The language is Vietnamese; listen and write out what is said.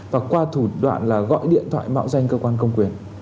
và qua thủ đoạn là gọi điện thoại mạo danh cơ quan công quyền